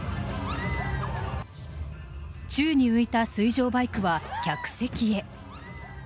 宙に浮いた水上バイクは客席へ。